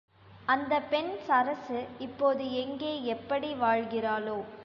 அந்தப் பெண் சரசு இப்போது எங்கே எப்படி வாழ்கிறாளோ?